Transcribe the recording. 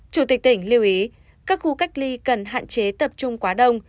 chủ tịch tỉnh lưu ý các khu cách ly cần hạn chế tập trung quá đông